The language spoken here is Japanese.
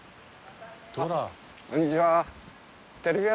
あっこんにちは。